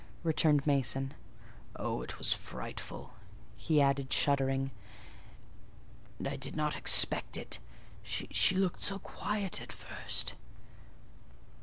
returned Mason. "Oh, it was frightful!" he added, shuddering. "And I did not expect it: she looked so quiet at first."